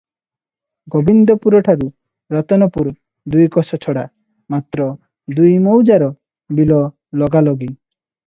ଗୋବିନ୍ଦପୁରଠାରୁ ରତନପୁର ଦୁଇକୋଶ ଛଡ଼ା; ମାତ୍ର ଦୁଇ ମୌଜାର ବିଲ ଲଗା ଲଗି ।